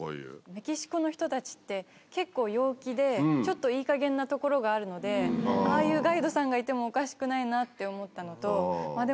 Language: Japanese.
メキシコの人たちって結構陽気でちょっといいかげんなところがあるのでああいうガイドさんがいてもおかしくないなって思ったのとで